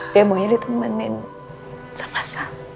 dia maunya ditemenin sama sam